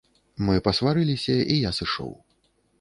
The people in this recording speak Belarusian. Мы пасварыліся, і я сышоў.